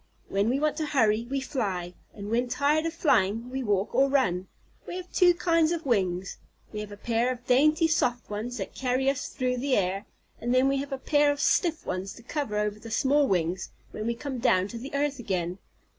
When we want to hurry, we fly; and when tired of flying, we walk or run. We have two kinds of wings. We have a pair of dainty, soft ones, that carry us through the air, and then we have a pair of stiff ones to cover over the soft wings when we come down to the earth again.